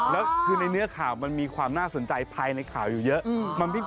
แล้วคือในเนื้อข่าวมันมีความน่าสนใจภายในข่าวอยู่เยอะ